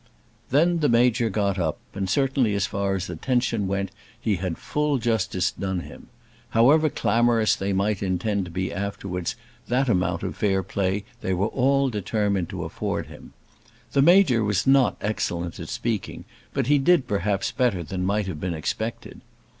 Then the Major got up, and certainly as far as attention went he had full justice done him. However clamorous they might intend to be afterwards that amount of fair play they were all determined to afford him. The Major was not excellent at speaking, but he did perhaps better than might have been expected.